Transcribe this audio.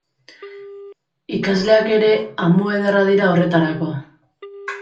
Ikasleak ere amu ederra dira horretarako.